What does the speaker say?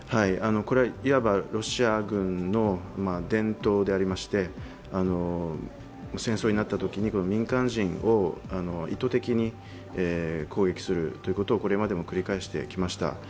いわばロシア軍の伝統でありまして、戦争になったときに民間人を意図的に攻撃するということをこれまでも繰り返してきました。